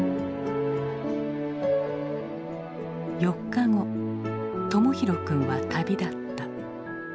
４日後朋宏くんは旅立った。